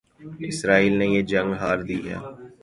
اسرائیل نے یہ جنگ ہار دیا